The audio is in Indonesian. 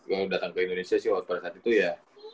kalo datang ke indonesia sih pada saat itu ya